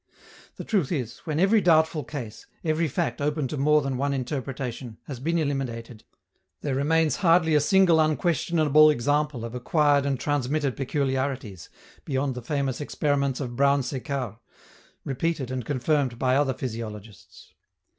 The truth is, when every doubtful case, every fact open to more than one interpretation, has been eliminated, there remains hardly a single unquestionable example of acquired and transmitted peculiarities, beyond the famous experiments of Brown Séquard, repeated and confirmed by other physiologists.